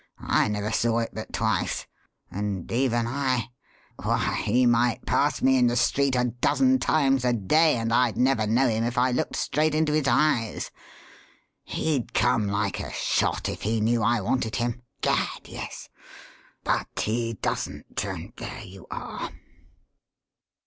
I never saw it but twice, and even I why, he might pass me in the street a dozen times a day and I'd never know him if I looked straight into his eyes. He'd come like a shot if he knew I wanted him gad, yes! But he doesn't; and there you are."